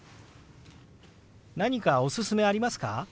何かおすすめありますか？